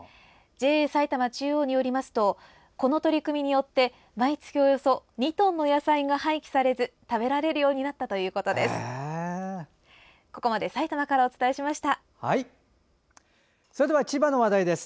ＪＡ埼玉中央によりますとこの取り組みによって毎月およそ２トンの野菜が廃棄されず食べられるようになったということです。